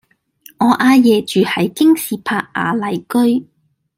我阿爺住喺京士柏雅麗居